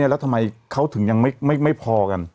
แล้วทำไมเขาถึงยังไม่พอกัน